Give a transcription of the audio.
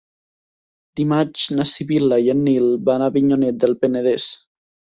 Dimarts na Sibil·la i en Nil van a Avinyonet del Penedès.